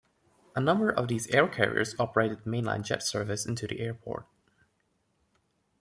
A number of these air carriers operated mainline jet service into the airport.